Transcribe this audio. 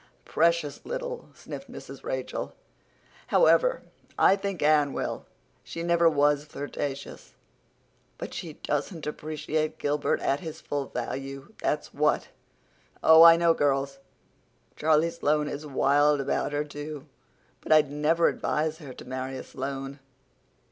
"Precious little," sniffed Mrs. Rachel. "However, I think Anne will. She never was flirtatious. But she doesn't appreciate Gilbert at his full value, that's what. Oh, I know girls! Charlie Sloane is wild about her, too, but I'd never advise her to marry a Sloane.